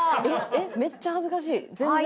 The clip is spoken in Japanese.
めっちゃ恥ずかしい。